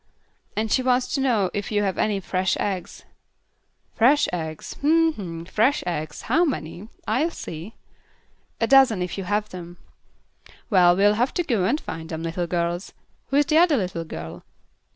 "And she wants to know if you have any fresh eggs?" "Fresh eggs. Hm! Hm! Fresh eggs. How many? I'll see." "A dozen if you have them." "Well, we'll have to go and find them, little girls. Who is the other little girl?"